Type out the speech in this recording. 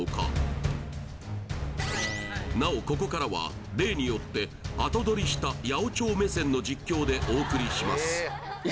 なおここからは例によって後どりした八百長目線の実況でお送りします